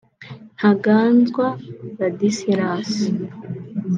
Ntaganzwa Ladislas